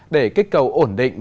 để kích cầu ổn định